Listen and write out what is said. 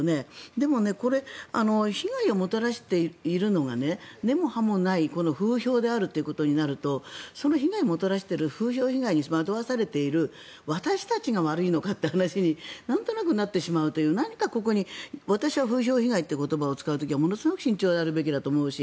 でも、これ被害をもたらしているのが根も葉もない風評であるということになるとその被害をもたらしている風評被害に惑わされている私たちが悪いのかという話になんとなくなってしまうという何かここに私は風評被害っていう言葉を使う時はものすごく慎重になるべきだと思うし。